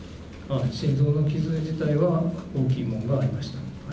心臓の傷自体は大きいものがありました。